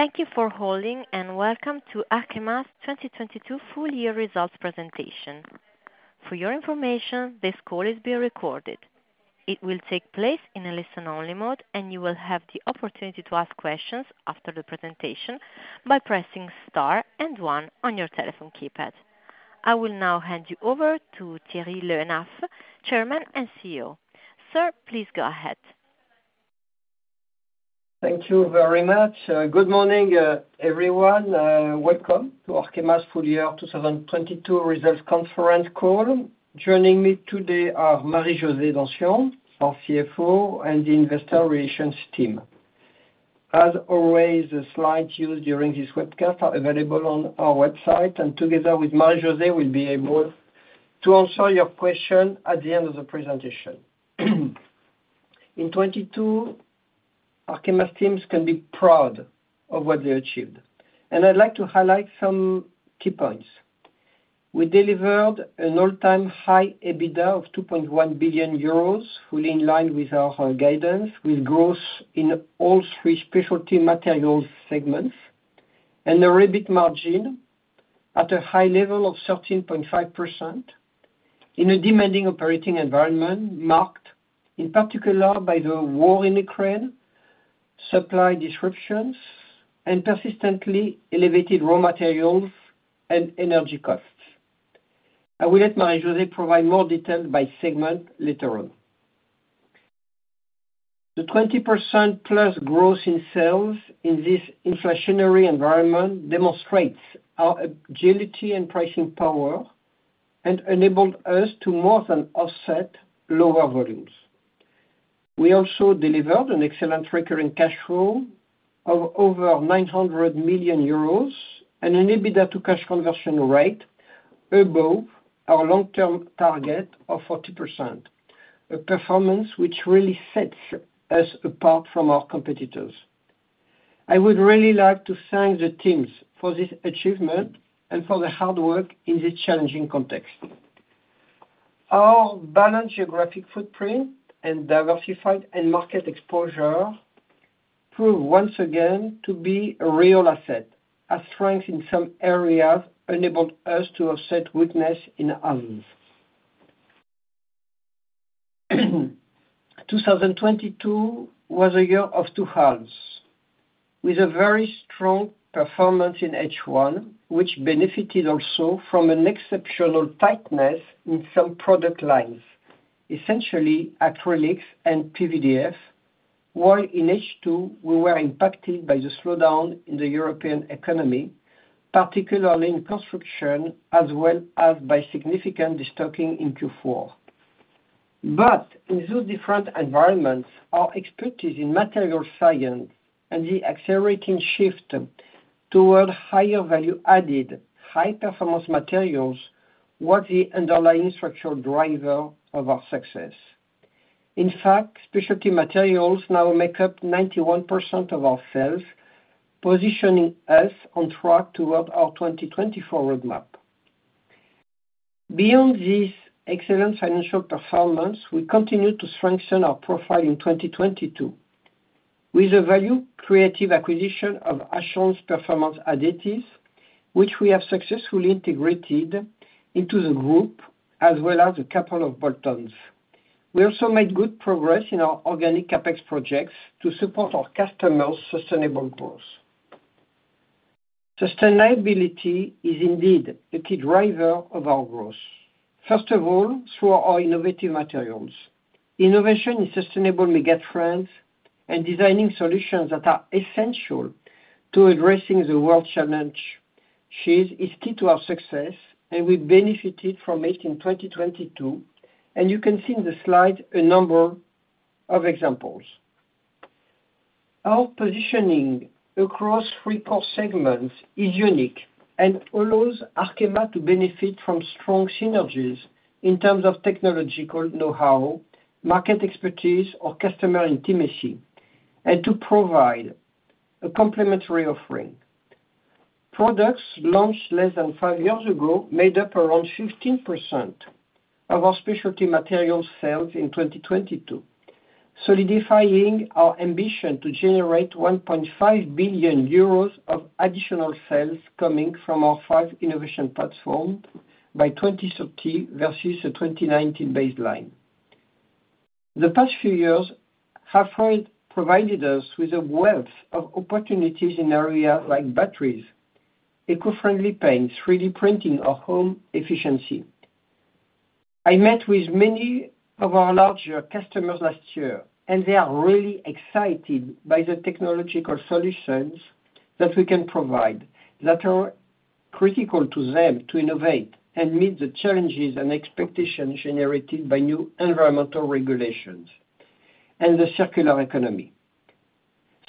Thank you for holding welcome to Arkema's 2022 full year results presentation. For your information, this call is being recorded. It will take place in a listen-only mode, you will have the opportunity to ask questions after the presentation by pressing star and one on your telephone keypad. I will now hand you over to Thierry Le Hénaff, Chairman and CEO. Sir, please go ahead. Thank you very much. Good morning, everyone. Welcome to Arkema's full year 2022 results conference call. Joining me today are Marie-José Donsion, our CFO, and the investor relations team. As always, the slides used during this webcast are available on our website. Together with Marie-José, we'll be able to answer your question at the end of the presentation. In 2022, Arkema's teams can be proud of what they achieved. I'd like to highlight some key points. We delivered an all-time high EBITDA of 2.1 billion euros, fully in line with our guidance, with growth in all three specialty materials segments. An EBIT margin at a high level of 13.5% in a demanding operating environment, marked in particular by the war in Ukraine, supply disruptions, and persistently elevated raw materials and energy costs. I will let Marie-José provide more detail by segment later on. The 20%+ growth in sales in this inflationary environment demonstrates our agility and pricing power and enabled us to more than offset lower volumes. We also delivered an excellent recurring cash flow of over 900 million euros and an EBITDA to cash conversion rate above our long-term target of 40%. A performance which really sets us apart from our competitors. I would really like to thank the teams for this achievement and for the hard work in this challenging context. Our balanced geographic footprint and diversified end market exposure prove once again to be a real asset, as strength in some areas enabled us to offset weakness in others. 2022 was a year of two halves, with a very strong performance in H1, which benefited also from an exceptional tightness in some product lines, essentially acrylics and PVDF. In H2, we were impacted by the slowdown in the European economy, particularly in construction, as well as by significant destocking in Q4. In those different environments, our expertise in material science and the accelerating shift toward higher value added high-performance materials was the underlying structural driver of our success. In fact, specialty materials now make up 91% of our sales, positioning us on track toward our 2024 roadmap. Beyond this excellent financial performance, we continue to strengthen our profile in 2022 with the value creative acquisition of Ashland's Performance Adhesives, which we have successfully integrated into the group, as well as the capital of bolt-ons. We also made good progress in our organic CapEx projects to support our customers' sustainable growth. Sustainability is indeed a key driver of our growth. First of all, through our innovative materials. Innovation is sustainable megatrends, and designing solutions that are essential to addressing the world challenges is key to our success, and we benefited from it in 2022. You can see in the slide a number of examples. Our positioning across three core segments is unique and allows Arkema to benefit from strong synergies in terms of technological know-how, market expertise, or customer intimacy, and to provide a complementary offering. Products launched less than five years ago made up around 15% of our specialty materials sales in 2022, solidifying our ambition to generate 1.5 billion euros of additional sales coming from our five innovation platform by 2030 versus a 2019 baseline. The past few years have provided us with a wealth of opportunities in areas like batteries, eco-friendly paints, 3D printing, or home efficiency. I met with many of our larger customers last year, and they are really excited by the technological solutions that we can provide that are critical to them to innovate and meet the challenges and expectations generated by new environmental regulations and the circular economy.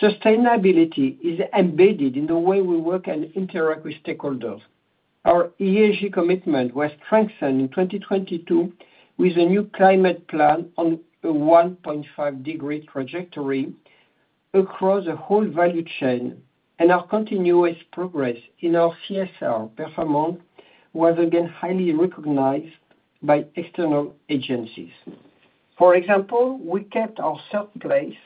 Sustainability is embedded in the way we work and interact with stakeholders. Our ESG commitment was strengthened in 2022 with a new climate plan on a 1.5-degree trajectory across the whole value chain, and our continuous progress in our CSR performance was again highly recognized by external agencies. For example, we kept our third place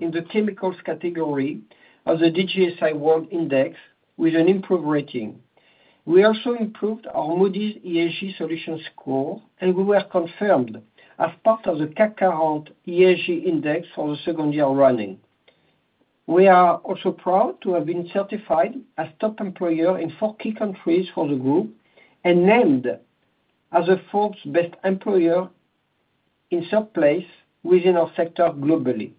in the chemicals category of the DJSI World Index with an improved rating. We also improved our Moody's ESG Solutions score. We were confirmed as part of the CAC 40 ESG Index for the second year running. We are also proud to have been certified as top employer in four key countries for the group and named as a Forbes Best Employer in third place within our sector globally.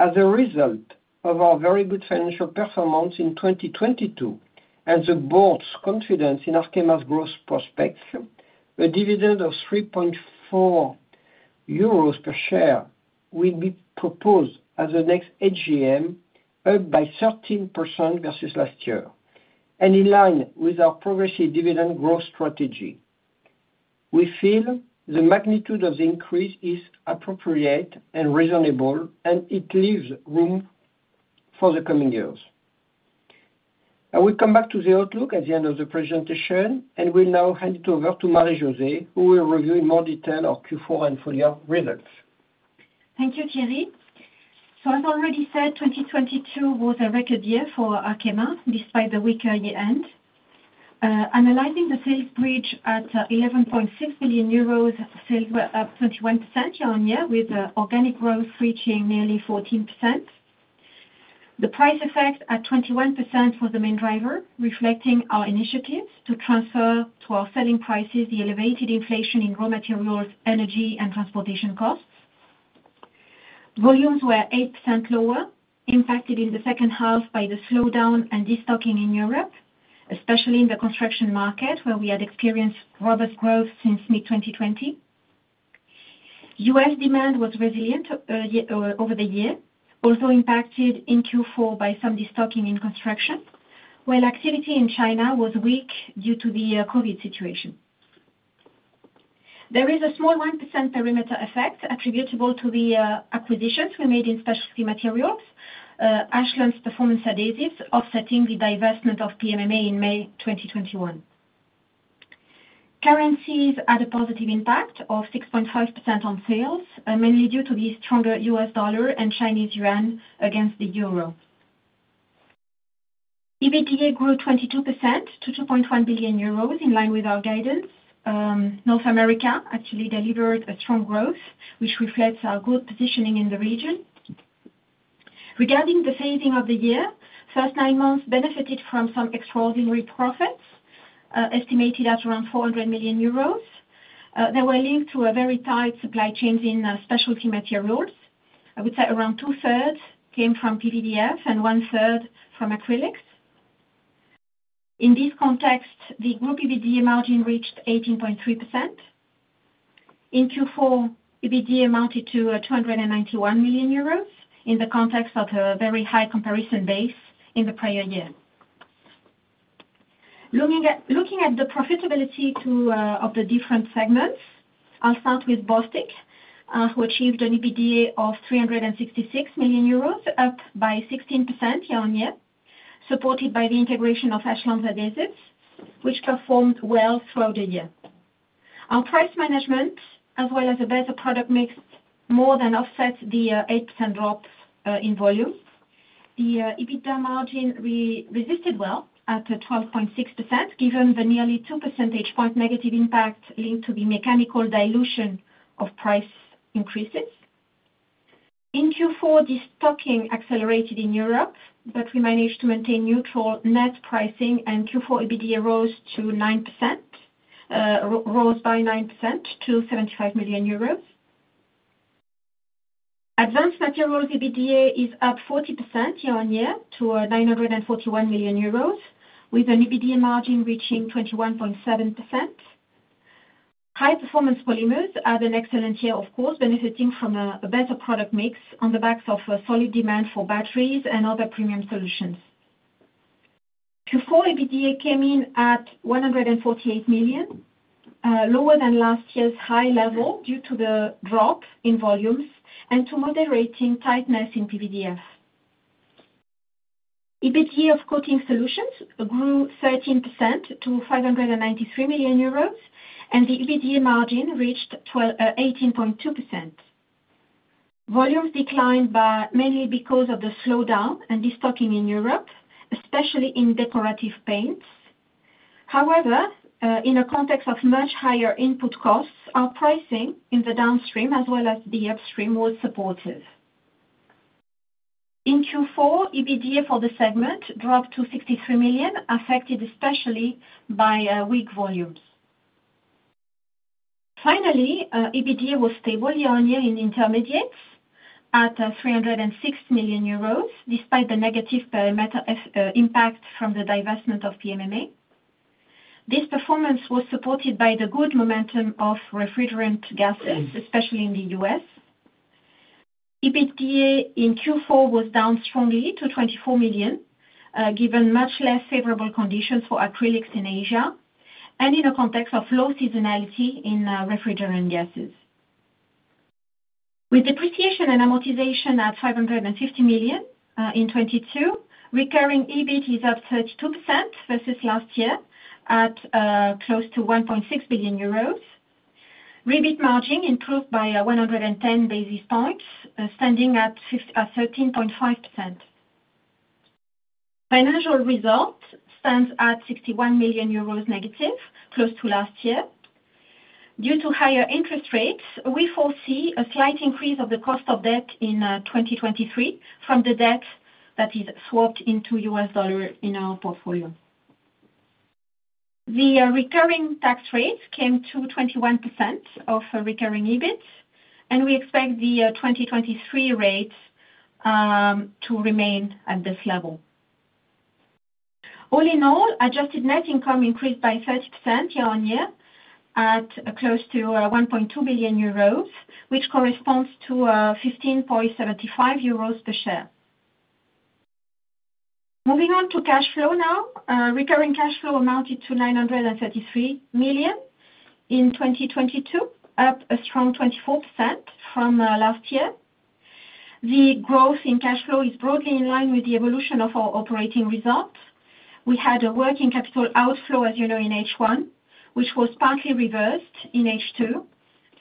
As a result of our very good financial performance in 2022, the board's confidence in Arkema's growth prospects, a dividend of 3.4 euros per share will be proposed at the next AGM, up by 13% versus last year, in line with our progressive dividend growth strategy. We feel the magnitude of the increase is appropriate and reasonable. It leaves room for the coming years. I will come back to the outlook at the end of the presentation, and will now hand it over to Marie-José, who will review in more detail our Q4 and full year results. Thank you, Thierry. As already said, 2022 was a record year for Arkema, despite the weaker year-end. Analyzing the sales bridge at 11.6 billion euros, sales were up 21% year-on-year, with organic growth reaching nearly 14%. The price effect at 21% was the main driver, reflecting our initiatives to transfer to our selling prices the elevated inflation in raw materials, energy, and transportation costs. Volumes were 8% lower, impacted in the second half by the slowdown and destocking in Europe, especially in the construction market, where we had experienced robust growth since mid-2020. U.S. demand was resilient over the year, also impacted in Q4 by some destocking in construction, while activity in China was weak due to the COVID situation. There is a small 1% perimeter effect attributable to the acquisitions we made in Specialty Materials, Ashland Performance Adhesives offsetting the divestment of PMMA in May 2021. Currencies had a positive impact of 6.5% on sales, mainly due to the stronger U.S. dollar and Chinese yuan against the euro. EBITDA grew 22% to 2.1 billion euros in line with our guidance. North America actually delivered a strong growth, which reflects our good positioning in the region. Regarding the phasing of the year, first nine months benefited from some extraordinary profits, estimated at around 400 million euros. They were linked to a very tight supply chains in Specialty Materials. I would say around 2/3 came from PVDF and 1/3 from acrylics. In this context, the group EBITDA margin reached 18.3%. In Q4, EBITDA amounted to 291 million euros in the context of a very high comparison base in the prior year. Looking at the profitability of the different segments, I'll start with Bostik, who achieved an EBITDA of 366 million euros, up by 16% year-on-year, supported by the integration of Ashland Adhesives, which performed well throughout the year. Our price management, as well as a better product mix, more than offset the 8% drop in volume. The EBITDA margin resisted well at a 12.6% given the nearly 2 percentage point negative impact linked to the mechanical dilution of price increases. In Q4, destocking accelerated in Europe. We managed to maintain neutral net pricing. Q4 EBITDA rose by 9% to 75 million euros. Advanced Materials EBITDA is up 40% year-on-year to 941 million euros, with an EBITDA margin reaching 21.7%. High Performance Polymers had an excellent year, of course, benefiting from a better product mix on the backs of a solid demand for batteries and other premium solutions. Q4 EBITDA came in at 148 million, lower than last year's high level due to the drop in volumes and to moderating tightness in PVDF. EBITA of Coating Solutions grew 13% to 593 million euros, the EBITDA margin reached 18.2%. Volumes declined by mainly because of the slowdown and destocking in Europe, especially in decorative paints. In a context of much higher input costs, our pricing in the downstream as well as the upstream was supportive. In Q4, EBITDA for the segment dropped to 63 million, affected especially by weak volumes. Finally, EBITDA was stable year-on-year in Intermediates at 306 million euros, despite the negative perimeter impact from the divestment of PMMA. This performance was supported by the good momentum of refrigerant gases, especially in the U.S. EBITDA in Q4 was down strongly to 24 million, given much less favorable conditions for acrylics in Asia and in a context of low seasonality in refrigerant gases. With depreciation and amortization at 550 million in 2022, recurring EBIT is up 32% versus last year at close to 1.6 billion euros. EBIT margin improved by 110 basis points, standing at 13.5%. Financial result stands at -61 million euros, close to last year. Due to higher interest rates, we foresee a slight increase of the cost of debt in 2023 from the debt that is swapped into U.S. dollar in our portfolio. The recurring tax rate came to 21% of recurring EBIT, and we expect the 2023 rates to remain at this level. All in all, adjusted net income increased by 30% year-on-year at close to 1.2 billion euros, which corresponds to 15.75 euros per share. Moving on to cash flow now. Recurring cash flow amounted to 933 million in 2022, up a strong 24% from last year. The growth in cash flow is broadly in line with the evolution of our operating results. We had a working capital outflow, as you know, in H1, which was partly reversed in H2,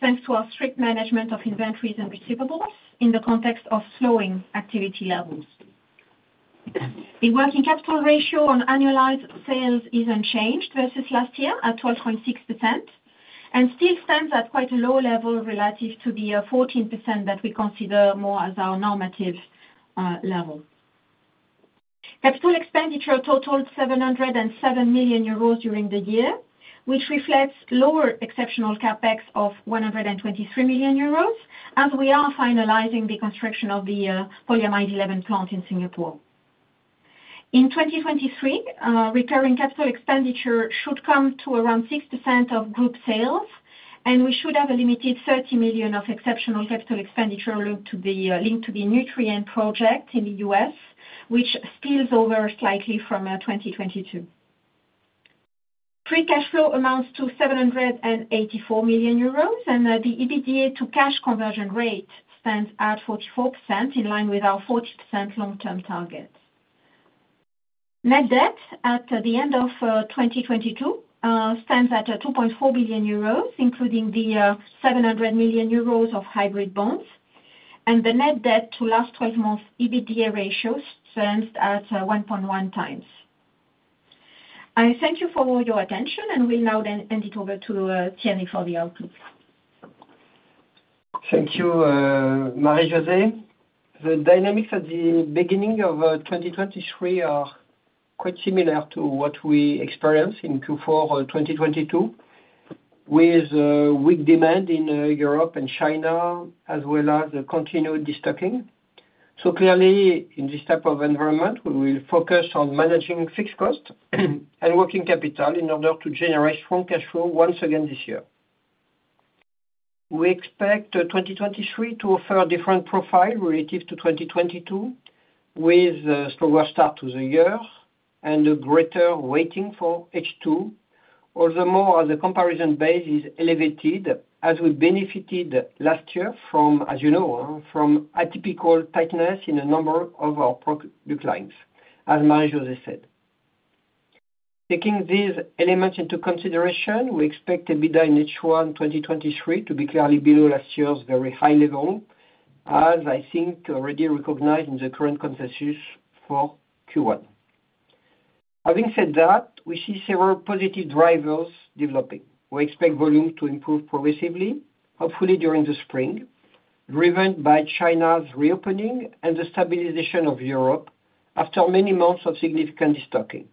thanks to our strict management of inventories and receivables in the context of slowing activity levels. The working capital ratio on annualized sales is unchanged versus last year at 12.6% and still stands at quite a low level relative to the 14% that we consider more as our normative level. Capital expenditure totaled 707 million euros during the year, which reflects lower exceptional CapEx of 123 million euros as we are finalizing the construction of the Polyamide 11 plant in Singapore. In 2023, recurring capital expenditure should come to around 6% of group sales, and we should have a limited 30 million of exceptional capital expenditure linked to the Nutrien project in the U.S., which spills over slightly from 2022. Free cash flow amounts to 784 million euros, and the EBITDA to cash conversion rate stands at 44% in line with our 40% long-term target. Net debt at the end of 2022 stands at 2.4 billion euros, including the 700 million euros of hybrid bonds. The net debt to last 12 months EBITDA ratios stands at 1.1x. I thank you for all your attention and will now then hand it over to Thierry for the outlook. Thank you, Marie-José. The dynamics at the beginning of 2023 are quite similar to what we experienced in Q4 of 2022, with weak demand in Europe and China, as well as the continued destocking. Clearly, in this type of environment, we will focus on managing fixed cost and working capital in order to generate strong cash flow once again this year. We expect 2023 to offer a different profile relative to 2022 with stronger start to the year and a greater weighting for H2. All the more as the comparison base is elevated as we benefited last year from, as you know, from atypical tightness in a number of our pro-declines, as Marie-José said. Taking these elements into consideration, we expect EBITDA in H1 2023 to be clearly below last year's very high level, as I think already recognized in the current consensus for Q1. Having said that, we see several positive drivers developing. We expect volume to improve progressively, hopefully during the spring, driven by China's reopening and the stabilization of Europe after many months of significant destocking.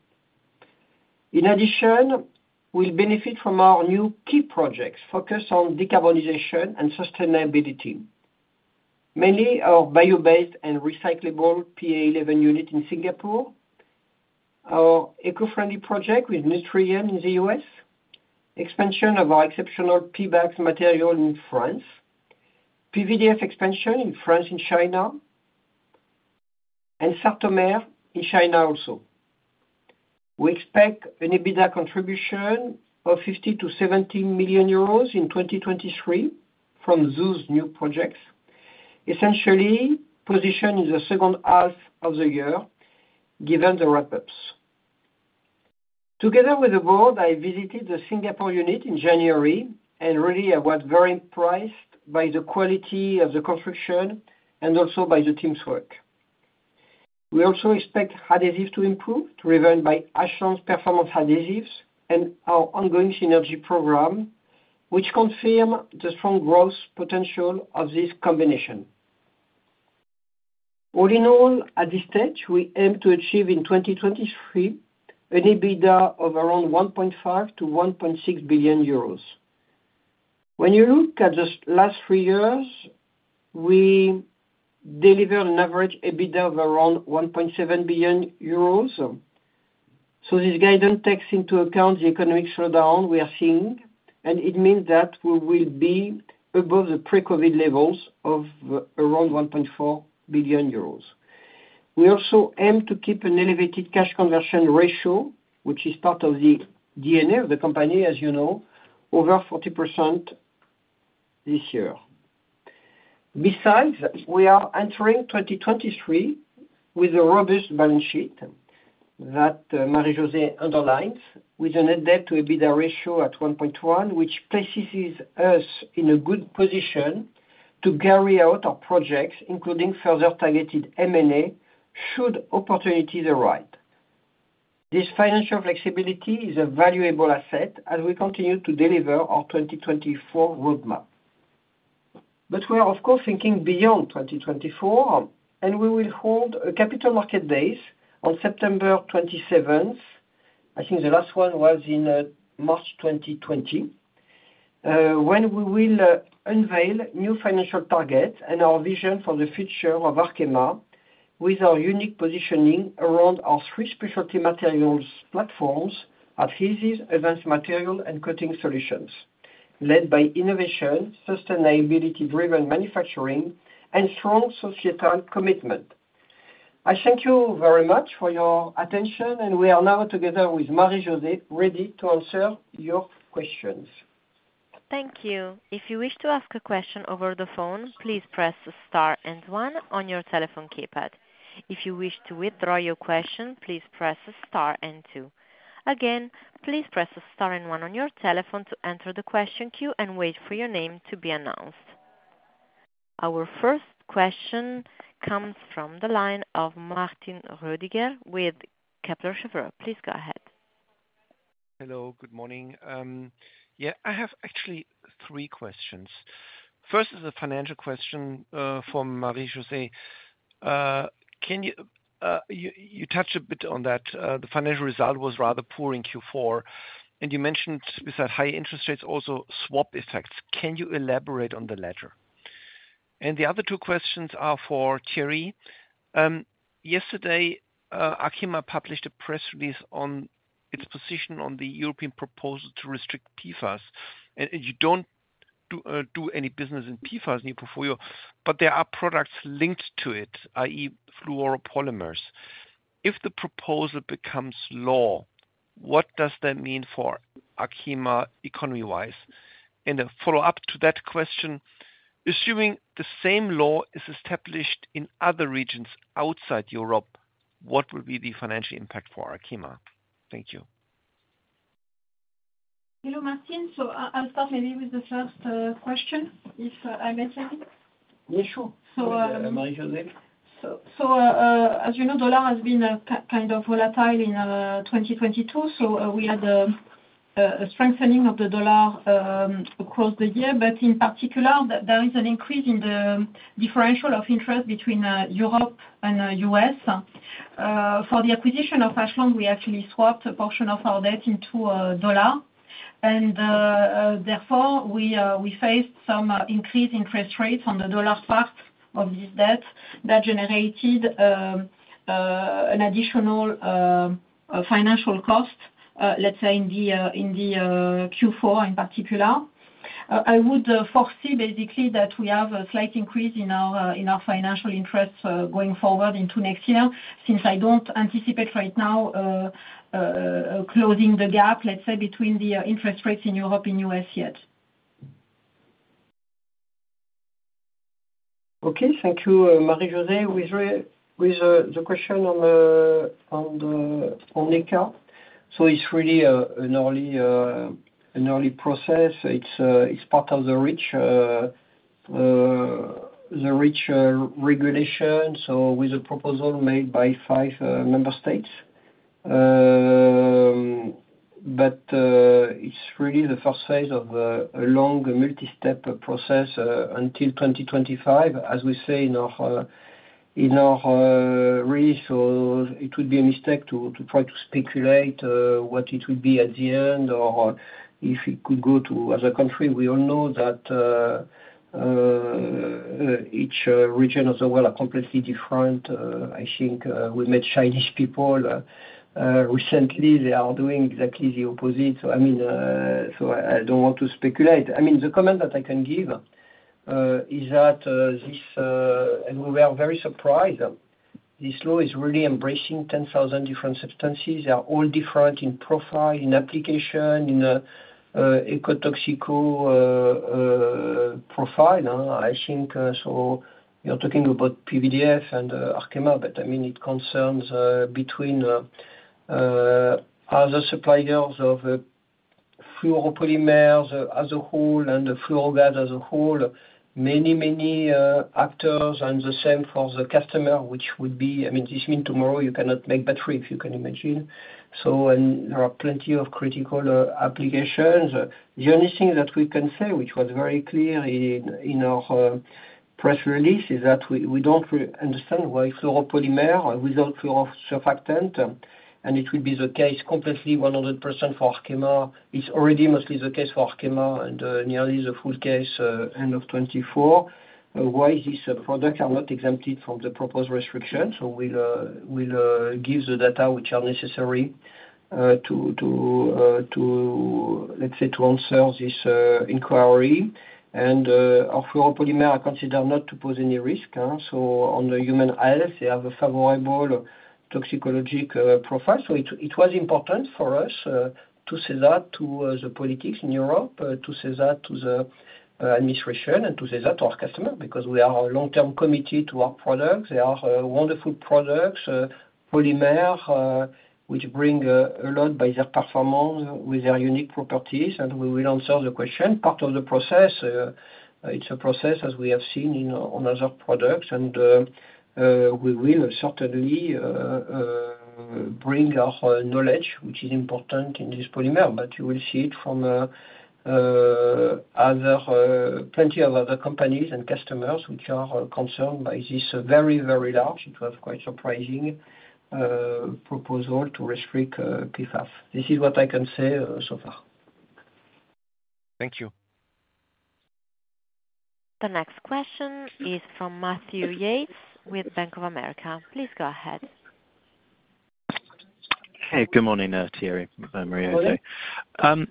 In addition, we'll benefit from our new key projects focused on decarbonization and sustainability. Mainly our bio-based and recyclable PA11 unit in Singapore, our eco-friendly project with Nutrien in the U.S., expansion of our exceptional Pebax material in France, PVDF expansion in France and China, and Sartomer in China also. We expect an EBITDA contribution of 50 million-70 million euros in 2023 from those new projects, essentially positioned in the second half of the year, given the wrap-ups. Together with the board, I visited the Singapore unit in January, and really I was very impressed by the quality of the construction and also by the team's work. We also expect adhesive to improve, driven by Ashland Performance Adhesives and our ongoing synergy program, which confirm the strong growth potential of this combination. All in all, at this stage, we aim to achieve in 2023 an EBITDA of around 1.5 billion-1.6 billion euros. When you look at the last three years, we delivered an average EBITDA of around 1.7 billion euros. This guidance takes into account the economic slowdown we are seeing, and it means that we will be above the pre-COVID levels of around 1.4 billion euros. We also aim to keep an elevated cash conversion ratio, which is part of the DNA of the company, as you know, over 40% this year. Besides, we are entering 2023 with a robust balance sheet that Marie-José underlines, with a net debt to EBITDA ratio at 1.1, which places us in a good position to carry out our projects, including further targeted M&A should opportunities arise. This financial flexibility is a valuable asset as we continue to deliver our 2024 roadmap. We are of course thinking beyond 2024, and we will hold a Capital Markets Day on September 27th. I think the last one was in March 2020. When we will unveil new financial targets and our vision for the future of Arkema with our unique positioning around our three specialty materials platforms, adhesives, Advanced Materials and Coating Solutions. Led by innovation, sustainability driven manufacturing and strong societal commitment. I thank you very much for your attention and we are now together with Marie-José, ready to answer your questions. Thank you. If you wish to ask a question over the phone, please press star one on your telephone keypad. If you wish to withdraw your question, please press star two. Again, please press star one on your telephone to enter the question queue and wait for your name to be announced. Our first question comes from the line of Martin Rüdiger with Kepler Cheuvreux. Please go ahead. Hello, good morning. I have actually three questions. First is a financial question for Marie-José. You touched a bit on that, the financial result was rather poor in Q4, and you mentioned with that high interest rates also swap effects. Can you elaborate on the latter? The other two questions are for Thierry. Yesterday, Arkema published a press release on its position on the European proposal to restrict PFAS. You don't do any business in PFAS in your portfolio, but there are products linked to it, i.e. fluoropolymers. If the proposal becomes law, what does that mean for Arkema economy-wise? A follow-up to that question, assuming the same law is established in other regions outside Europe, what will be the financial impact for Arkema? Thank you. Hello, Martin. I'll start maybe with the first question, if I may, Thierry. Yeah, sure Marie-Jose. As you know, dollar has been kind of volatile in 2022. We had a strengthening of the dollar across the year. In particular, there is an increase in the differential of interest between Europe and U.S. For the acquisition of Ashland, we actually swapped a portion of our debt into dollar. Therefore, we faced some increased interest rates on the dollar part of this debt. That generated an additional financial cost, let's say in the Q4 in particular. I would foresee basically that we have a slight increase in our financial interest, going forward into next year, since I don't anticipate right now, closing the gap, let's say, between the interest rates in Europe and U.S. yet. Okay. Thank you, Marie-José. With the question on the account. It's really an early process. It's part of the REACH regulation. With a proposal made by five member states. But it's really the first phase of a long multi-step process until 2025. As we say in our release, it would be a mistake to try to speculate what it would be at the end or if it could go to other country. We all know that each region of the world are completely different. I think we met Chinese people recently. They are doing exactly the opposite. I mean, I don't want to speculate. I mean, the comment that I can give is that this, and we are very surprised. This law is really embracing 10,000 different substances. They are all different in profile, in application, in ecotoxic profile. I think, you're talking about PVDF and Arkema, but I mean, it concerns between other suppliers of fluoropolymers as a whole and the fluorogases as a whole, many actors, and the same for the customer, which would be, I mean, this means tomorrow you cannot make battery, if you can imagine. There are plenty of critical applications. The only thing that we can say which was very clear in our press release is that we don't understand why fluoropolymer without fluorosurfactant, and it will be the case completely 100% for Arkema. It's already mostly the case for Arkema and nearly the full case end of 2024. Why this product are not exempted from the proposed restrictions. We'll give the data which are necessary to let's say to answer this inquiry. Our fluoropolymer are considered not to pose any risk so on the human health, they have a favorable toxicologic profile. It was important for us to say that to the politics in Europe to say that to the administration and to say that to our customer, because we are long-term committed to our products. They are wonderful products polymer which bring a lot by their performance with their unique properties, and we will answer the question. Part of the process, it's a process as we have seen in, on other products, and we will certainly bring our knowledge, which is important in this polymer. You will see it from, other, plenty of other companies and customers which are concerned by this very, very large, it was quite surprising, proposal to restrict, PFAS. This is what I can say, so far. Thank you. The next question is from Matthew Yates with Bank of America. Please go ahead. Hey, good morning, Thierry, Marie-José. Morning.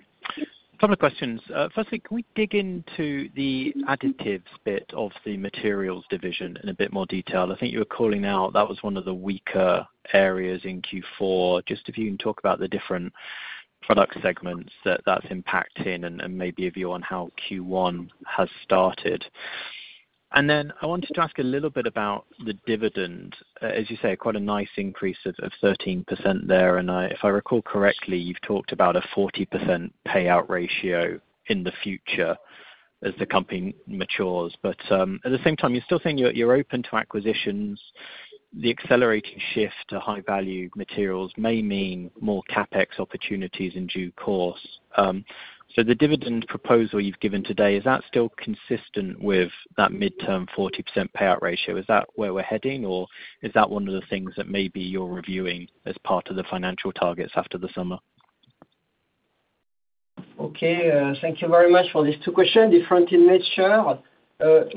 Couple of questions. Firstly, can we dig into the additives bit of the materials division in a bit more detail? I think you were calling out that was one of the weaker areas in Q4. Just if you can talk about the different product segments that that's impacting and maybe a view on how Q1 has started. I wanted to ask a little bit about the dividend, as you say, quite a nice increase of 13% there. If I recall correctly, you've talked about a 40% payout ratio in the future as the company matures. At the same time, you're still saying you're open to acquisitions. The accelerating shift to high value materials may mean more CapEx opportunities in due course. The dividend proposal you've given today, is that still consistent with that midterm 40% payout ratio? Is that where we're heading, or is that one of the things that maybe you're reviewing as part of the financial targets after the summer? Okay. Thank you very much for these two questions, different in nature.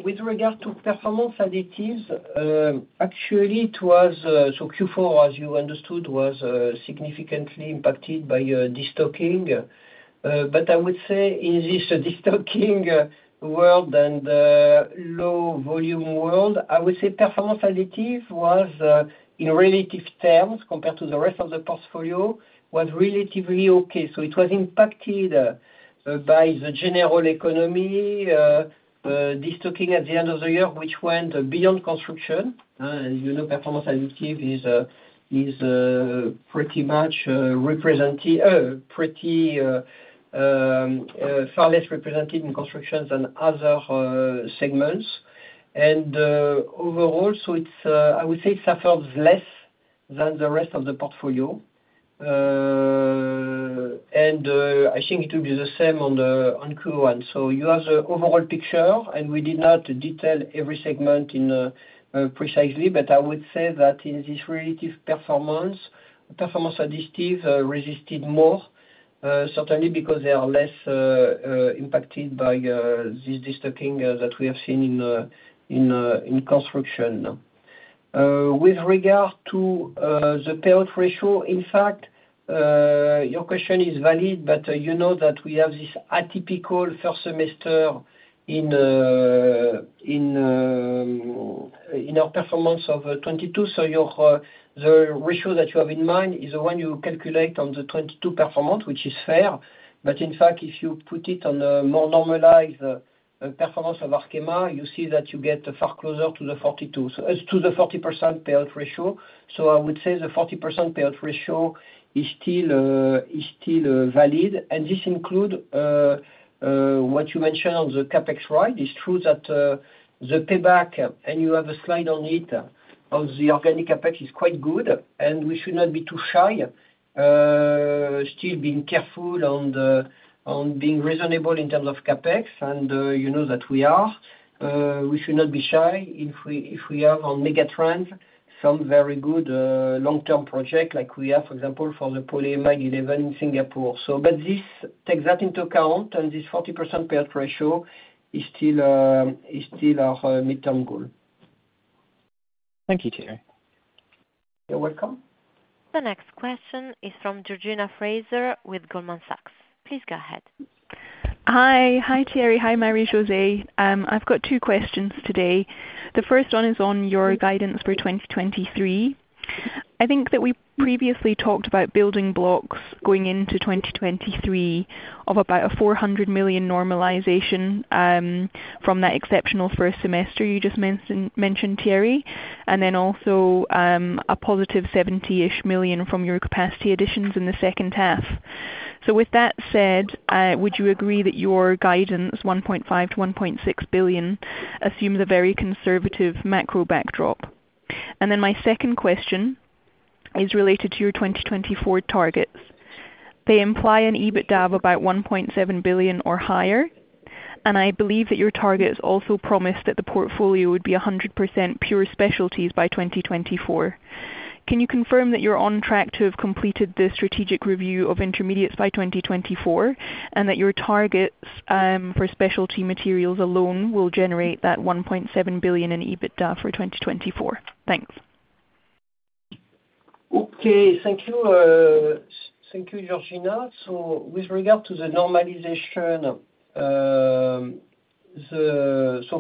With regard to performance additives, actually it was so Q4, as you understood, was significantly impacted by destocking. I would say in this destocking world and low volume world, I would say performance additive was in relative terms compared to the rest of the portfolio, was relatively okay. It was impacted by the general economy, destocking at the end of the year, which went beyond construction. You know, performance additive is pretty much represented pretty far less represented in construction than other segments. Overall, it's, I would say it suffers less than the rest of the portfolio. I think it will be the same on Q1. You have the overall picture, and we did not detail every segment precisely, but I would say that in this relative performance, Performance Adhesives resisted more, certainly because they are less impacted by this destocking that we have seen in construction. With regard to the payout ratio, in fact, your question is valid, but you know that we have this atypical first semester in our performance of 2022. So the ratio that you have in mind is the one you calculate on the 2022 performance, which is fair. In fact, if you put it on a more normalized performance of Arkema, you see that you get far closer to the 42%, so as to the 40% payout ratio. I would say the 40% payout ratio is still valid. This include what you mentioned on the CapEx, right. It's true that the payback, and you have a slide on it, of the organic CapEx is quite good. We should not be too shy, still being careful on being reasonable in terms of CapEx, and you know that we are. We should not be shy if we have on megatrend some very good long-term project like we have, for example, for the Polyamide 11 in Singapore. This takes that into account, and this 40% payout ratio is still our midterm goal. Thank you, Thierry. You're welcome. The next question is from Georgina Fraser with Goldman Sachs. Please go ahead. Hi. Hi, Thierry. Hi, Marie Jose. I've got two questions today. The first one is on your guidance for 2023. I think that we previously talked about building blocks going into 2023 of about a 400 million normalization from that exceptional first semester you just mentioned, Thierry, a +70 million from your capacity additions in the second half. With that said, would you agree that your guidance, 1.5 billion-1.6 billion, assume the very conservative macro backdrop? My second question is related to your 2024 targets. They imply an EBITDA of about 1.7 billion or higher, and I believe that your targets also promised that the portfolio would be 100% pure specialties by 2024. Can you confirm that you're on track to have completed the strategic review of Intermediates by 2024 and that your targets for Specialty Materials alone will generate that 1.7 billion in EBITDA for 2024? Thanks. Okay. Thank you, thank you, Georgina. With regard to the normalization,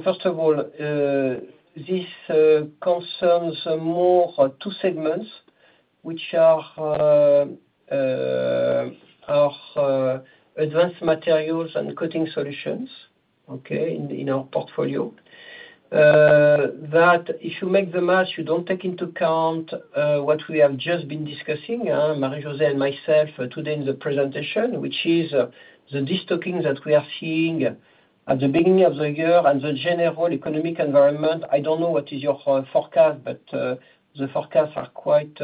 first of all, this concerns more two segments, which are Advanced Materials and Coating Solutions, okay, in our portfolio. That if you make the math, you don't take into account what we have just been discussing, Marie-José and myself today in the presentation, which is the destocking that we are seeing at the beginning of the year and the general economic environment. I don't know what is your forecast, the forecasts are quite,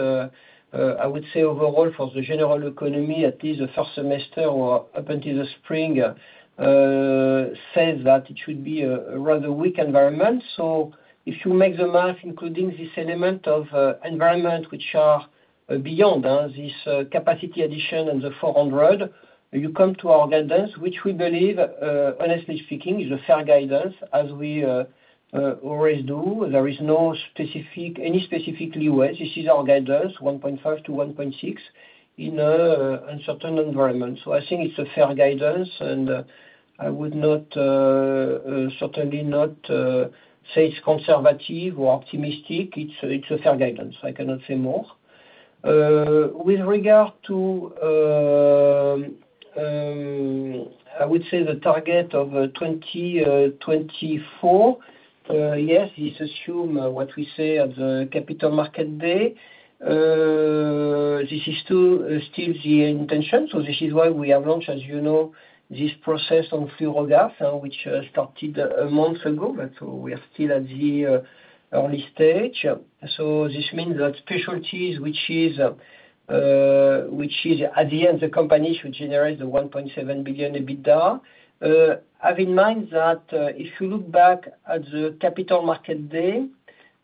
I would say overall for the general economy, at least the first semester or up into the spring, says that it should be a rather weak environment. If you make the math including this element of environment which are beyond this capacity addition and the 400 million, you come to our guidance, which we believe, honestly speaking, is a fair guidance as we always do. There is no specific, any specific leeway. This is our guidance, 1.5 billion-1.6 billion in a uncertain environment. I think it's a fair guidance, and I would not certainly not say it's conservative or optimistic. It's a fair guidance. I cannot say more. With regard to I would say the target of 2024, yes, it's assumed what we say at the Capital Markets Day. This is still the intention. This is why we have launched, as you know, this process on fluorogas, which started a month ago. We are still at the early stage. This means that specialties, which is at the end the company should generate 1.7 billion EBITDA. Have in mind that if you look back at the Capital Markets Day,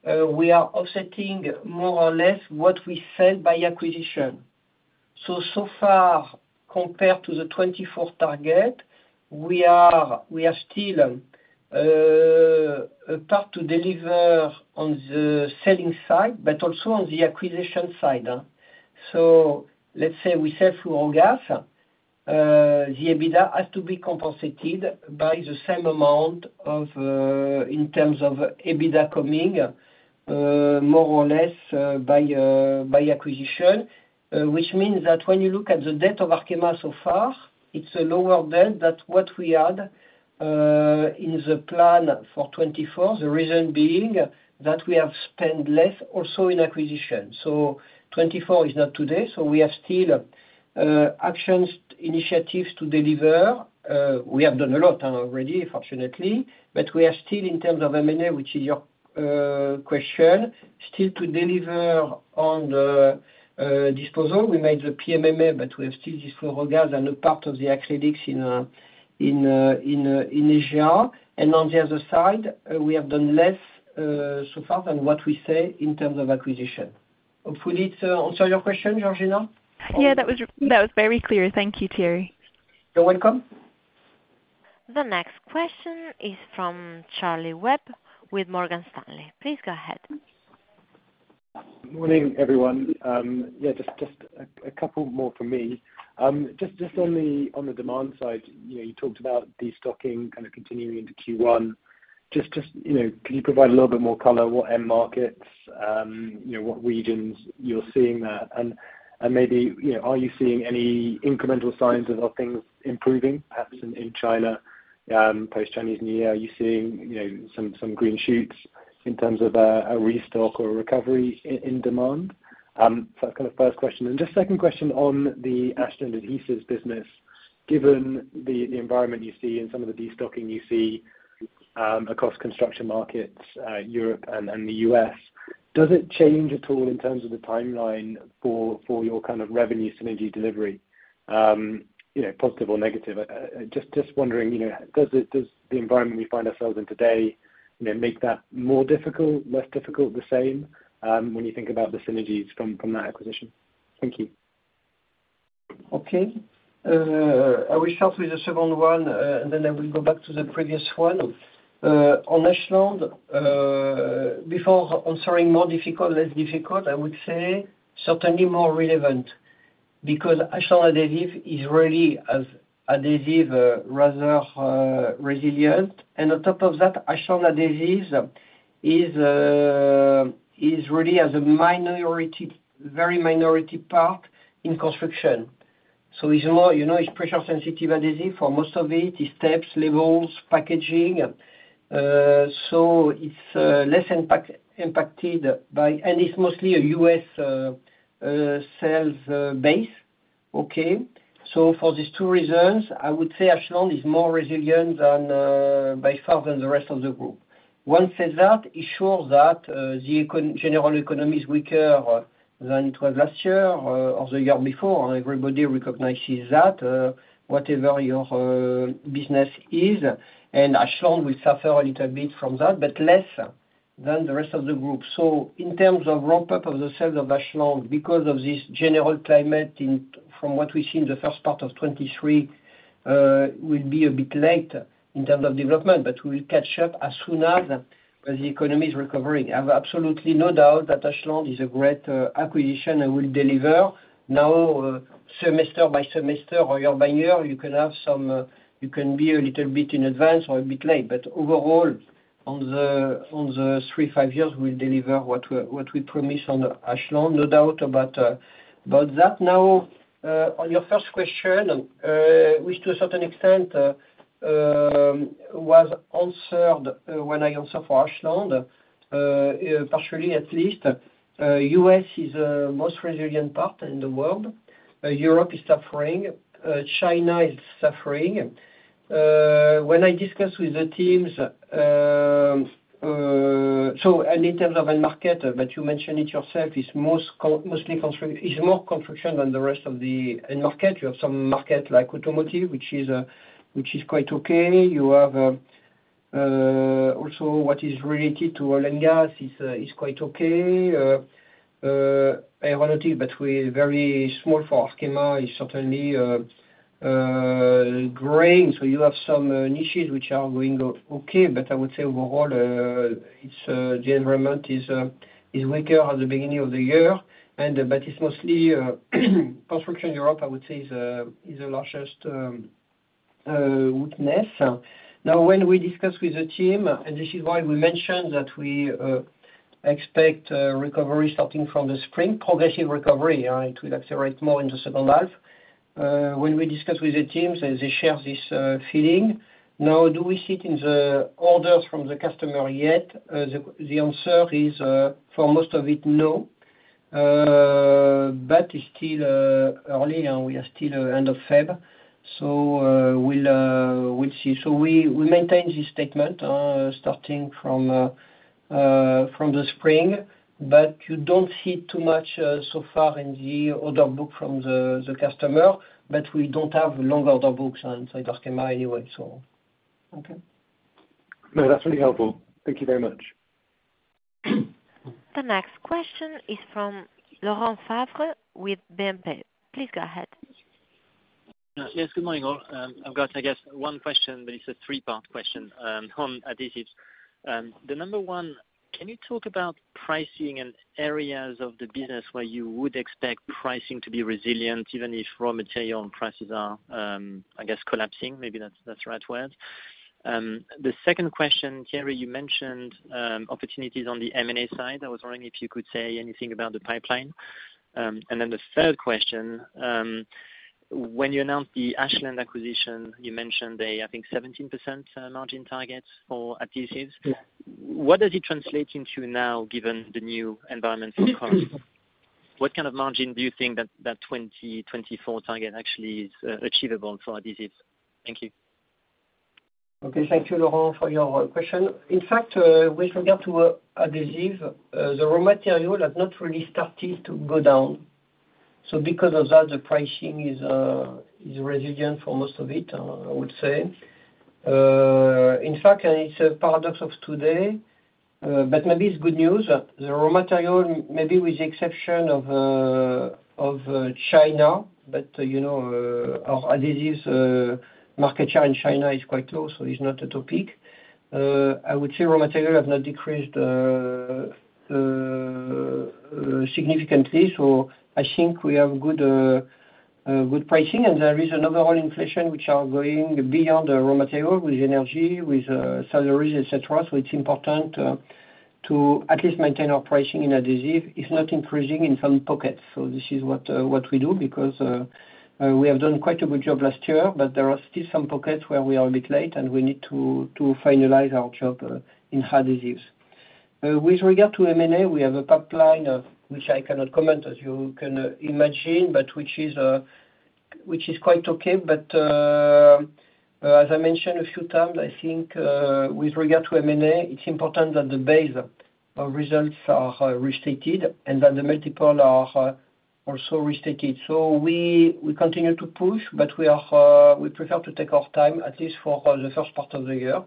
we are offsetting more or less what we sell by acquisition. So far, compared to the 2024 target, we are still apart to deliver on the selling side, but also on the acquisition side. Let's say we sell fluorogas, the EBITDA has to be compensated by the same amount of in terms of EBITDA coming more or less by acquisition. Which means that when you look at the debt of Arkema so far, it's a lower debt that what we had in the plan for 2024, the reason being that we have spent less also in acquisition. 2024 is not today, we are still actions initiatives to deliver. We have done a lot already, fortunately, we are still in terms of M&A, which is your question, still to deliver on the disposal. We made the PMMA, we have still this fluorogas and a part of the acrylics in Asia. On the other side, we have done less so far than what we say in terms of acquisition. Hopefully, it answer your question, Georgina. Yeah, that was very clear. Thank you, Thierry. You're welcome. The next question is from Charlie Webb with Morgan Stanley. Please go ahead. Morning, everyone. Yeah, just a couple more from me. Just on the demand side, you know, you talked about destocking kind of continuing into Q1. Just, you know, can you provide a little bit more color? What end markets, you know, what regions you're seeing that? And maybe, you know, are you seeing any incremental signs of things improving, perhaps in China, post-Chinese New Year? Are you seeing, you know, some green shoots in terms of a restock or a recovery in demand? So that's kind of first question. Just second question on the Ashland Adhesives business. Given the environment you see and some of the destocking you see, across construction markets, Europe and the U.S., does it change at all in terms of the timeline for your kind of revenue synergy delivery? You know, positive or negative? Just wondering, you know, does the environment we find ourselves in today, you know, make that more difficult, less difficult, the same, when you think about the synergies from that acquisition? Thank you. Okay. I will start with the second one, and then I will go back to the previous one. On Ashland, before answering more difficult, less difficult, I would say certainly more relevant because Ashland Adhesive is really as adhesive, rather resilient. On top of that, Ashland Adhesive is, really as a minority, very minority part in construction. It's more, you know, it's pressure-sensitive adhesive for most of it. It's taps, labels, packaging. It's less impacted by... It's mostly a U.S. sales base. Okay. For these two reasons, I would say Ashland is more resilient than by far than the rest of the group. One says that it shows that the general economy is weaker than it was last year or the year before. Everybody recognizes that, whatever your business is, and Ashland will suffer a little bit from that, but less than the rest of the group. In terms of ramp up of the sales of Ashland, because of this general climate in, from what we see in the first part of 2023, will be a bit late in terms of development, but we'll catch up as soon as the economy is recovering. I've absolutely no doubt that Ashland is a great acquisition and will deliver. Semester by semester or year by year, you can have some, you can be a little bit in advance or a bit late, but overall, on the, on the three, five years, we'll deliver what we, what we promise on Ashland, no doubt about about that. Now, on your first question, which to a certain extent, was answered, when I answer for Ashland, partially at least, U.S. is a most resilient part in the world. Europe is suffering. China is suffering. When I discuss with the teams, in terms of end market, you mentioned it yourself, it's more construction than the rest of the end market. You have some market like automotive, which is quite okay. You have also what is related to oil and gas is quite okay. Aeronautics, but we're very small for Arkema is certainly growing. You have some niches which are going okay. I would say overall, it's the environment is weaker at the beginning of the year, and, but it's mostly, construction Europe, I would say, is the largest weakness. When we discuss with the team, and this is why we mentioned that we expect recovery starting from the spring, progressive recovery, it will accelerate more in the second half. When we discuss with the teams, they share this feeling. Do we see it in the orders from the customer yet? The answer is for most of it, no. It's still early and we are still end of Feb, so we'll see. We maintain this statement, starting from the spring, but you don't see too much so far in the order book from the customer, but we don't have long order books inside Arkema anyway. Okay. No, that's really helpful. Thank you very much. The next question is from Laurent Favre with BNP. Please go ahead. Yes. Good morning, all. I've got, I guess one question, but it's a three-part question on adhesives. The number one, can you talk about pricing in areas of the business where you would expect pricing to be resilient, even if raw material prices are, I guess collapsing, maybe that's the right word. The second question, Thierry, you mentioned opportunities on the M&A side. I was wondering if you could say anything about the pipeline. The third question, when you announced the Ashland acquisition, you mentioned a, I think, 17% margin target for adhesives. Yes. What does it translate into now, given the new environment for cost? What kind of margin do you think that 2024 target actually is achievable for adhesives? Thank you. Thank you, Laurent, for your question. In fact, with regard to adhesive, the raw material has not really started to go down. Because of that, the pricing is resilient for most of it, I would say. In fact, it's a paradox of today, but maybe it's good news. The raw material, maybe with the exception of China, but, you know, our adhesives market share in China is quite low. It's not a topic. I would say raw material have not decreased significantly. I think we have good good pricing, and there is an overall inflation which are going beyond the raw material with energy, with salaries, et cetera. It's important to at least maintain our pricing in adhesive. It's not increasing in some pockets. This is what we do because we have done quite a good job last year, but there are still some pockets where we are a bit late, and we need to finalize our job in adhesives. With regard to M&A, we have a pipeline of which I cannot comment, as you can imagine, but which is quite okay. As I mentioned a few times, I think with regard to M&A, it's important that the base of results are restated and that the multiple are also restated. We continue to push, but we prefer to take our time, at least for the first part of the year.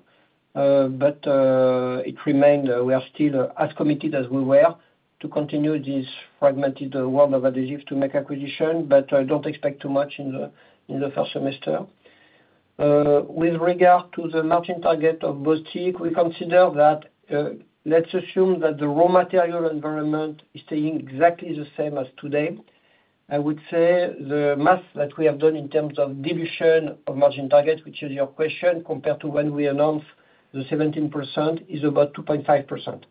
it remained, we are still as committed as we were to continue this fragmented world of adhesives to make acquisition, don't expect too much in the, in the first semester. With regard to the margin target of Bostik, we consider that, let's assume that the raw material environment is staying exactly the same as today. I would say the math that we have done in terms of dilution of margin target, which is your question, compared to when we announced the 17%, is about 2.5%.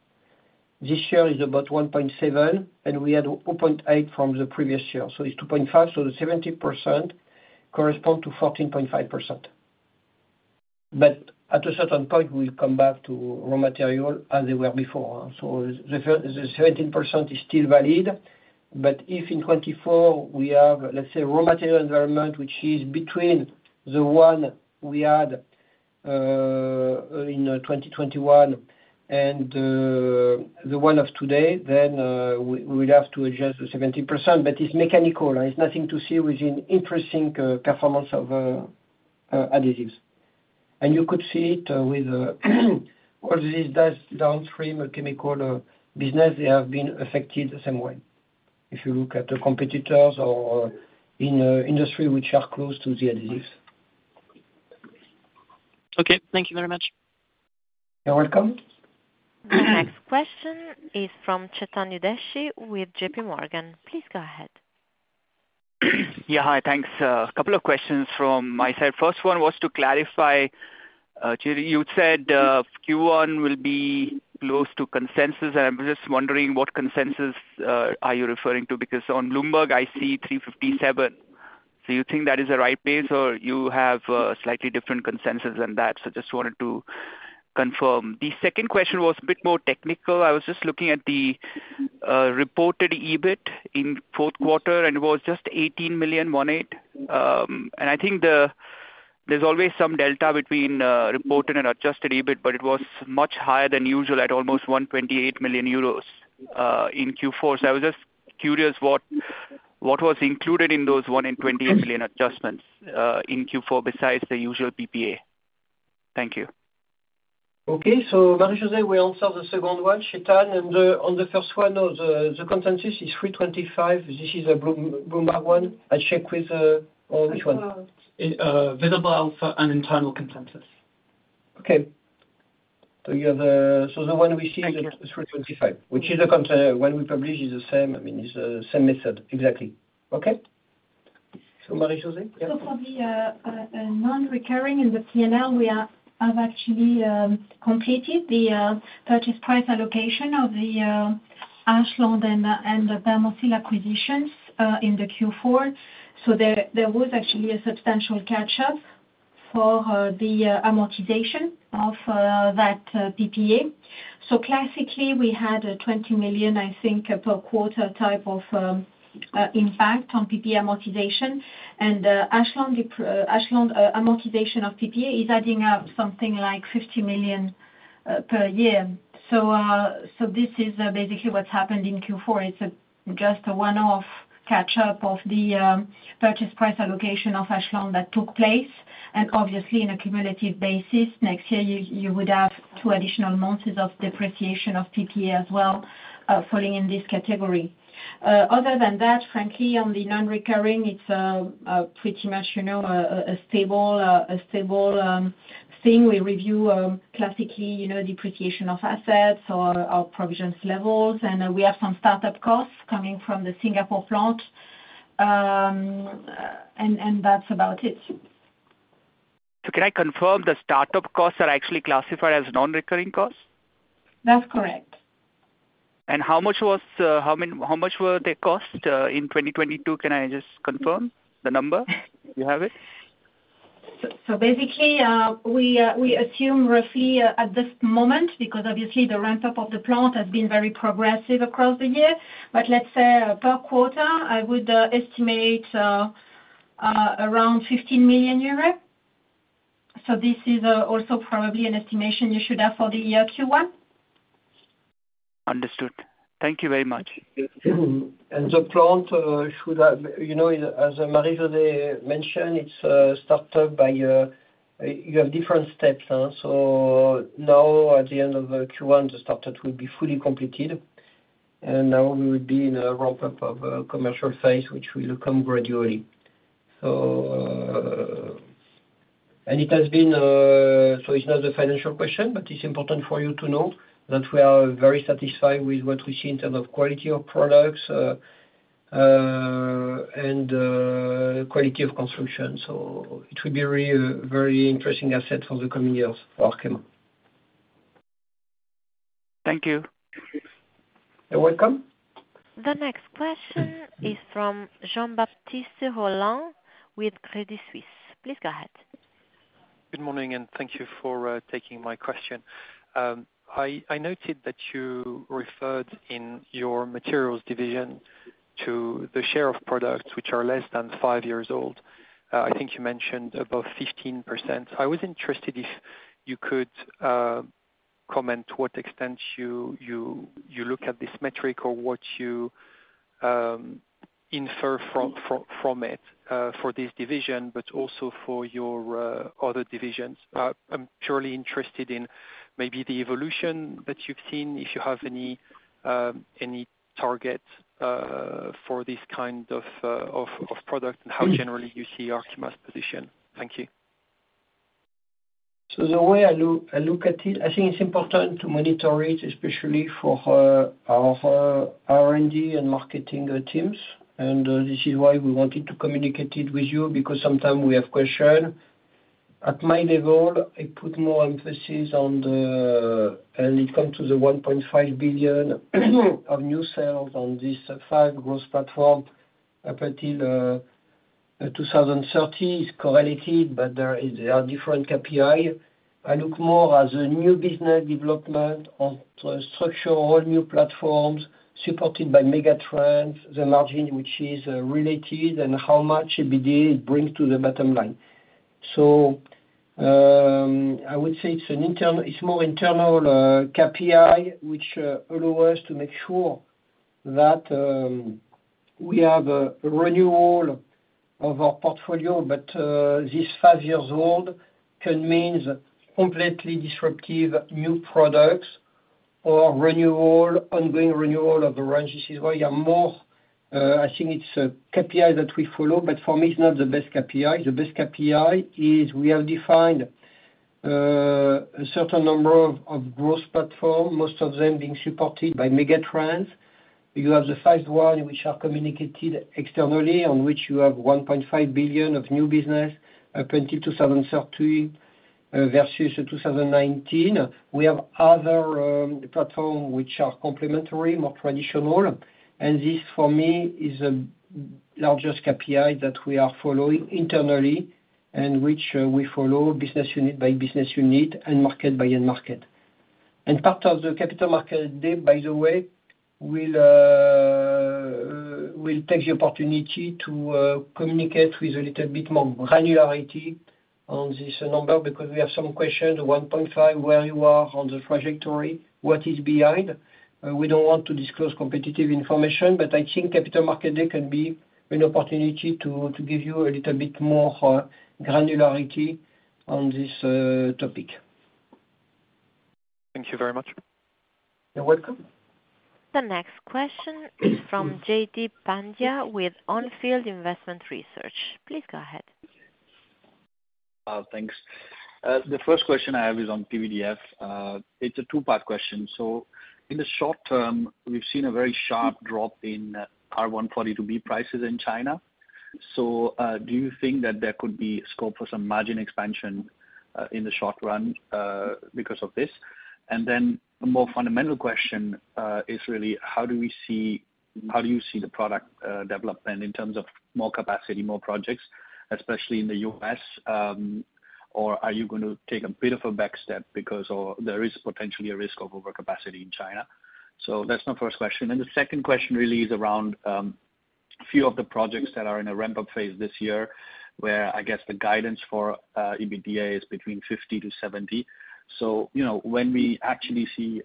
This year is about 1.7%, and we had 0.8% from the previous year. It's 2.5%. The 17% correspond to 14.5%. At a certain point, we'll come back to raw material as they were before. The 17% is still valid. If in 2024 we have, let's say, raw material environment, which is between the one we had in 2021 and the one of today, we would have to adjust the 17%, but it's mechanical. There's nothing to see within interesting performance of adhesives. You could see it with all this does downstream chemical business, they have been affected the same way. If you look at the competitors or in industry which are close to the adhesives. Okay, thank you very much. You're welcome. The next question is from Chetan Udeshi with JPMorgan. Please go ahead. Hi. Thanks. A couple of questions from my side. First one was to clarify, Thierry, you said Q1 will be close to consensus. I'm just wondering what consensus are you referring to? Because on Bloomberg, I see 357. You think that is the right base, or you have slightly different consensus than that? Just wanted to confirm. The second question was a bit more technical. I was just looking at the reported EBIT in fourth quarter, and it was just 18 million. There's always some delta between reported and adjusted EBIT, but it was much higher than usual at almost 128 million euros in Q4. I was just curious what was included in those 128 million adjustments in Q4 besides the usual PPA. Thank you. Marie-José will answer the second one, Chetan. On the first one, the consensus is 325. This is a Bloomberg one. I check with which one? Visible for an internal consensus. Okay. You have, so the one we see is 325. When we publish, it's the same. I mean, it's the same method. Exactly. Okay? Marie-José, yeah. For the non-recurring in the P&L, we have actually completed the purchase price allocation of the Ashland and the Permoseal acquisitions in the Q4. There was actually a substantial catch-up for the amortization of that PPA. Classically, we had a 20 million, I think, per quarter type of impact on PPA amortization. Ashland amortization of PPA is adding up something like 50 million per year. This is basically what's happened in Q4. It's just a one-off catch-up of the purchase price allocation of Ashland that took place. Obviously in a cumulative basis, next year you would have two additional amounts of depreciation of PPA as well, falling in this category. Other than that, frankly, on the non-recurring, it's a pretty much, you know, a stable thing. We review, classically, you know, depreciation of assets or our provisions levels, and we have some start-up costs coming from the Singapore plant. That's about it. Can I confirm the start-up costs are actually classified as non-recurring costs? That's correct. How much was, how much were they cost in 2022? Can I just confirm the number? You have it. Basically, we assume roughly at this moment, because obviously the ramp-up of the plant has been very progressive across the year. Let's say per quarter, I would estimate around 15 million euros. This is also probably an estimation you should have for the year Q1. Understood. Thank you very much. The plant should have, you know, as Marie-José mentioned, it's started by, you have different steps, so now at the end of the Q1, the startup will be fully completed. Now we will be in a ramp-up of a commercial phase, which will come gradually. And it has been, it's not a financial question, but it's important for you to know that we are very satisfied with what we see in terms of quality of products, and quality of construction. It will be really a very interesting asset for the coming years for Arkema. Thank you. You're welcome. The next question is from Jean-Baptiste Rolland with Credit Suisse. Please go ahead. Good morning. Thank you for taking my question. I noted that you referred in your materials division to the share of products which are less than five years old. I think you mentioned above 15%. I was interested if you could comment what extent you look at this metric or what you infer from it for this division, but also for your other divisions. I'm purely interested in maybe the evolution that you've seen, if you have any targets for this kind of product and how generally you see Arkema's position. Thank you. The way I look at it, I think it's important to monitor it, especially for our R&D and marketing teams. This is why we wanted to communicate it with you, because sometimes we have question. At my level, I put more emphasis on the, and it comes to the 1.5 billion of new sales on this five growth platform. Up until 2030 is correlated, but there are different KPI. I look more as a new business development onto a structural, all new platforms supported by megatrends, the margin which is related and how much EBITDA it brings to the bottom line. I would say it's more internal KPI, which allow us to make sure that we have a renewal of our portfolio. This five years old can means completely disruptive new products or renewal, ongoing renewal of the range. This is why I'm more, I think it's a KPI that we follow, but for me it's not the best KPI. The best KPI is we have defined a certain number of growth platform, most of them being supported by megatrends. You have the first one which are communicated externally on which you have 1.5 billion of new business up until 2030 versus 2019. We have other platform which are complementary, more traditional. This for me is the largest KPI that we are following internally and which we follow business unit by business unit and market by end market. Part of the Capital Markets Day, by the way, will take the opportunity to communicate with a little bit more granularity on this number because we have some questions, 1.5 billion, where we are on the trajectory, what is behind. We don't want to disclose competitive information, but I think Capital Markets Day can be an opportunity to give you a little bit more granularity on this topic. Thank you very much. You're welcome. The next question is from Jaideep Pandya with On Field Investment Research. Please go ahead. Thanks. The first question I have is on PVDF. It's a two-part question. In the short term, we've seen a very sharp drop in R-142b prices in China. Do you think that there could be scope for some margin expansion in the short run because of this? The more fundamental question is really how do we see, how do you see the product development in terms of more capacity, more projects, especially in the U.S.? Or are you going to take a bit of a back step because of there is potentially a risk of overcapacity in China? That's my first question. The second question really is around a few of the projects that are in a ramp-up phase this year, where I guess the guidance for EBITDA is between 50 million-70 million. You know, when we actually see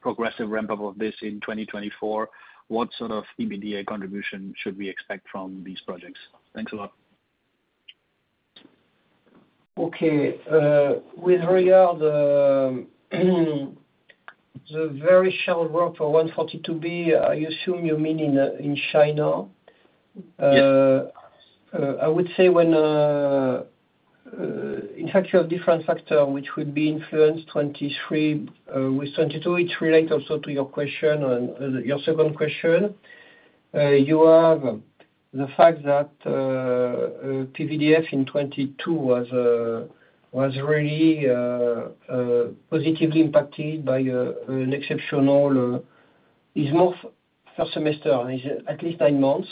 progressive ramp-up of this in 2024, what sort of EBITDA contribution should we expect from these projects? Thanks a lot. Okay. with regard, the very sharp drop for R-142b, I assume you mean in China? Yes. I would say when, in fact you have different factor which would be influenced 2023, with 2022, it relates also to your question on your second question. You have the fact that PVDF in 2022 was really positively impacted by an exceptional, it's more first semester, is at least nine months,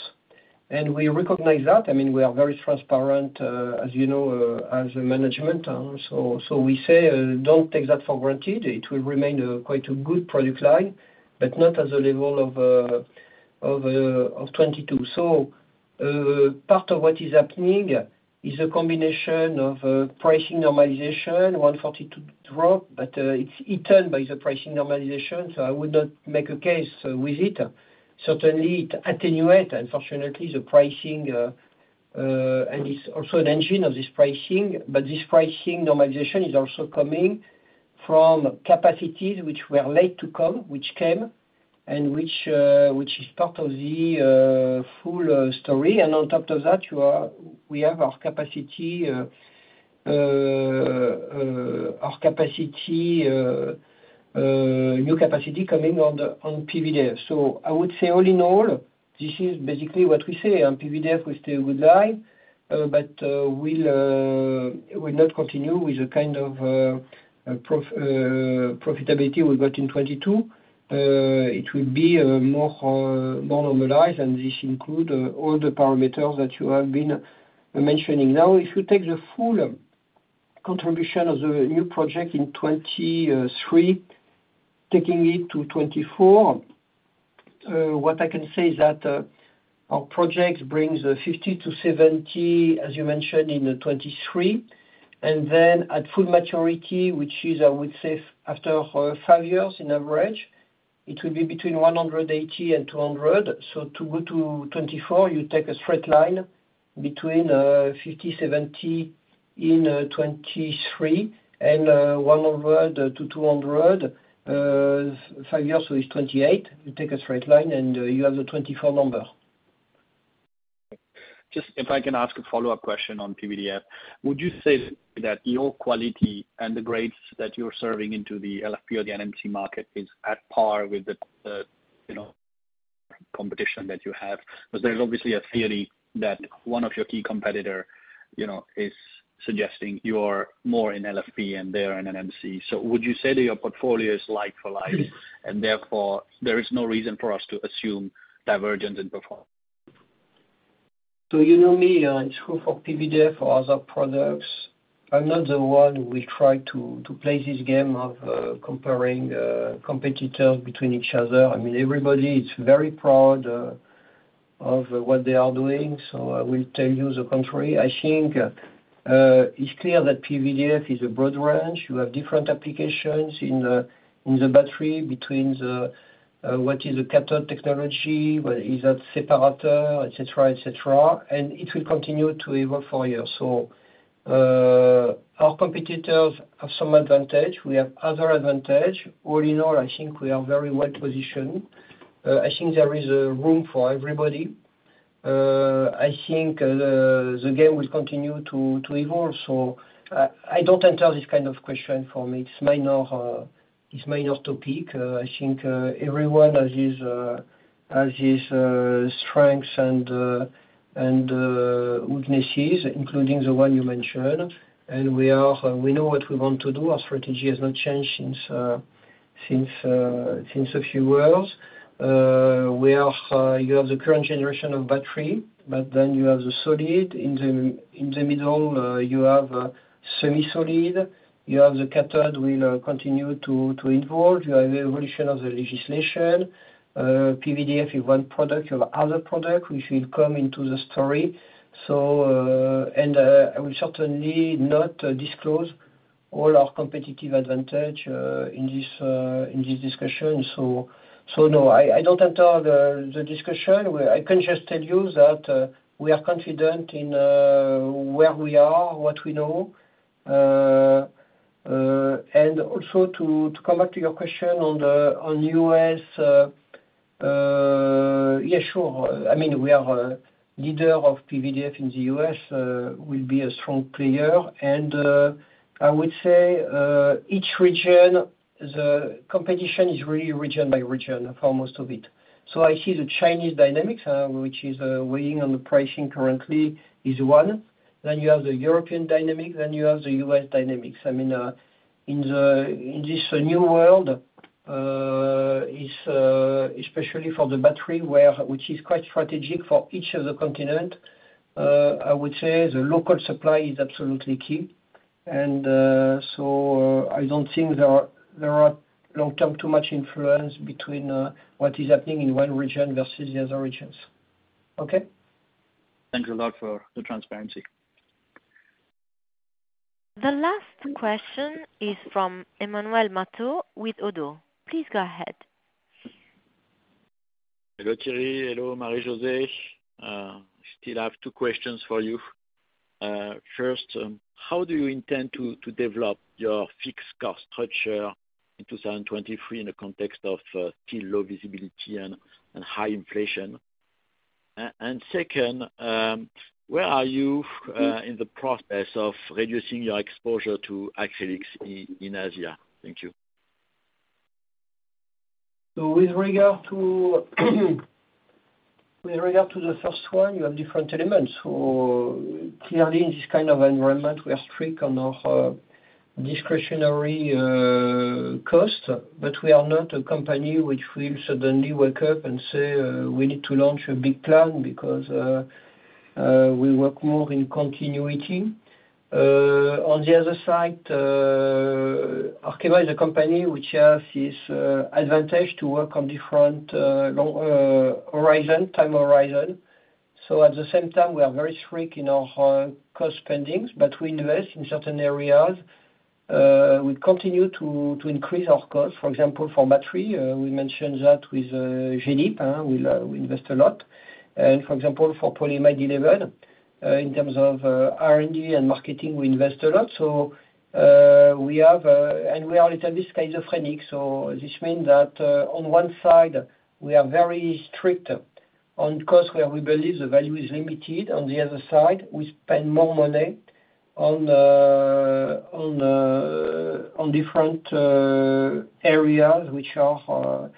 and we recognize that. I mean, we are very transparent, as you know, as a management. So we say don't take that for granted. It will remain a quite a good product line, but not at the level of 2022. Part of what is happening is a combination of pricing normalization, R-142b drop, but it's eaten by the pricing normalization, so I would not make a case with it. Certainly it attenuate, unfortunately the pricing, and it's also an engine of this pricing. This pricing normalization is also coming from capacities which were late to come, which came, and which is part of the full story. On top of that, we have our capacity, new capacity coming on the, on PVDF. I would say all in all, this is basically what we say on PVDF, we stay with line, but we'll not continue with the kind of profitability we got in 2022. It will be more normalized and this include all the parameters that you have been mentioning. If you take the full contribution of the new project in 2023, taking it to 2024, what I can say is that our project brings 50 million-70 million, as you mentioned in 2023. At full maturity, which is I would say after five years in average, it will be between 180 million and 200 million. To go to 2024 you take a straight line between 50 million-70 million in 2023 and EUR 100 million-EUR 200 million five years so it's 2028. You take a straight line, you have the 2024 number. Just if I can ask a follow-up question on PVDF. Would you say that your quality and the grades that you're serving into the LFP or the NMC market is at par with the, you know, competition that you have? There's obviously a theory that one of your key competitor, you know, is suggesting you are more in LFP and they're in NMC. Would you say that your portfolio is like for like, and therefore there is no reason for us to assume divergence in performance? You know me, it's true for PVDF or other products. I'm not the one who will try to play this game of comparing competitors between each other. I mean, everybody is very proud of what they are doing, so I will tell you the contrary. I think, it's clear that PVDF is a broad range. You have different applications in the battery between the, what is the cathode technology, what is that separator, et cetera, et cetera, and it will continue to evolve for years. Our competitors have some advantage. We have other advantage. All in all, I think we are very well-positioned. I think there is room for everybody. I think the game will continue to evolve. I don't enter this kind of question for me. It's minor, it's minor topic. I think everyone has his strengths and weaknesses, including the one you mentioned. We know what we want to do. Our strategy has not changed since a few worlds. We are, you have the current generation of battery, but then you have the solid. In the middle, you have semi-solid. You have the cathode will continue to evolve. You have evolution of the legislation. PVDF is one product. You have other product which will come into the story. I will certainly not disclose all our competitive advantage in this discussion. No, I don't enter the discussion. I can just tell you that we are confident in where we are, what we know. Also to come back to your question on the, on U.S., yeah, sure. I mean, we are a leader of PVDF in the U.S., we'll be a strong player. I would say each region, the competition is really region by region for most of it. I see the Chinese dynamics, which is weighing on the pricing currently is one. You have the European dynamic, you have the U.S. dynamics. I mean, in this new world, is especially for the battery which is quite strategic for each of the continent, I would say the local supply is absolutely key. I don't think there are long-term too much influence between what is happening in one region versus the other regions. Okay? Thanks a lot for the transparency. The last question is from Emmanuel Matot with ODDO. Please go ahead. Hello, Thierry. Hello, Marie-José. Still have two questions for you. First, how do you intend to develop your fixed cost structure in 2023 in the context of still low visibility and high inflation? Second, where are you in the process of reducing your exposure to acrylics in Asia? Thank you. With regard to the first one, you have different elements. Clearly in this kind of environment, we are strict on our discretionary cost, but we are not a company which will suddenly wake up and say, "We need to launch a big plan," because we work more in continuity. On the other side, Arkema is a company which has this advantage to work on different long time horizon. At the same time, we are very strict in our cost spendings, but we invest in certain areas. We continue to increase our costs. For example, for battery, we mentioned that with Jaideep, we'll invest a lot. For example, for Polyamide 11, in terms of R&D and marketing, we invest a lot. We have and we are a little bit schizophrenic, this means that on one side, we are very strict on cost where we believe the value is limited. The other side, we spend more money on different areas which are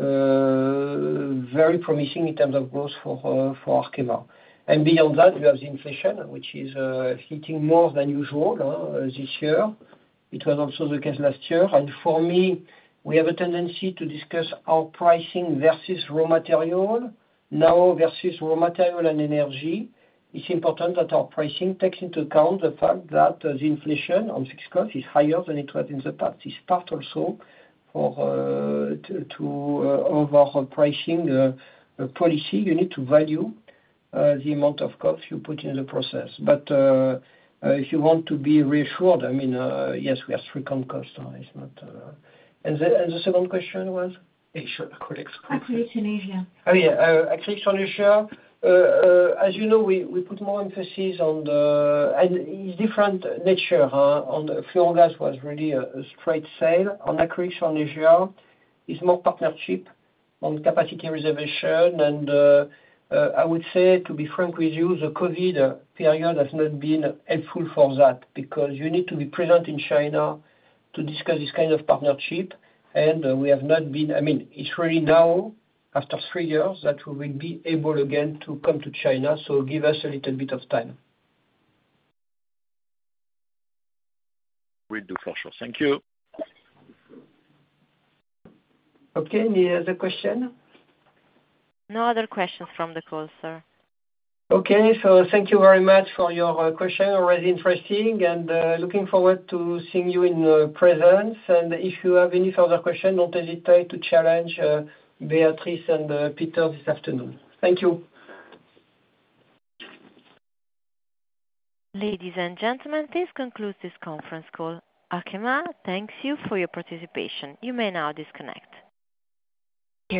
very promising in terms of growth for Arkema. Beyond that, we have the inflation, which is hitting more than usual this year. It was also the case last year. For me, we have a tendency to discuss our pricing versus raw material, now versus raw material and energy. It's important that our pricing takes into account the fact that the inflation on fixed cost is higher than it was in the past. It's part also for to overall pricing policy. You need to value the amount of cost you put in the process. If you want to be reassured, I mean, yes, we are strict on cost. It's not... The second question was? Acrylics on Asia. Oh, yeah. Acrylics on Asia. As you know, we put more emphasis. It's different nature, on the fluorogases was really a straight sale. On acrylics on Asia is more partnership on capacity reservation. I would say, to be frank with you, the Covid period has not been helpful for that because you need to be present in China to discuss this kind of partnership. I mean, it's really now after three years that we will be able again to come to China. Give us a little bit of time. Will do, for sure. Thank you. Okay. Any other question? No other questions from the caller, sir. Thank you very much for your question. Always interesting and looking forward to seeing you in presence. If you have any further question, don't hesitate to challenge Beatrice and Peter this afternoon. Thank you. Ladies and gentlemen, this concludes this conference call. Arkema thanks you for your participation. You may now disconnect.